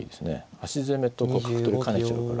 端攻めと角取り兼ねちゃうから。